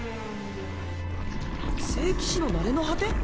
聖騎士のなれの果て？